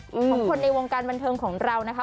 ของคนในวงการบันเทิงของเรานะคะ